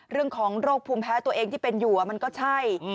เรื่องของโรคภูมิแพ้ตัวเองที่เป็นอยู่มันก็ใช่